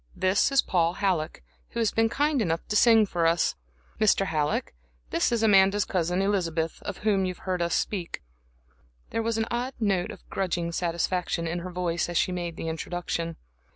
This is Paul Halleck, who has been kind enough to sing for us. Mr. Halleck, this is Amanda's cousin Elizabeth, whom you've heard us speak of." There was an odd note of grudging satisfaction in her voice as she made the introduction.